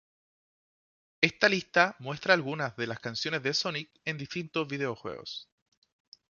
Esta lista muestra algunas de las canciones de Sonic en distintos videojuegos.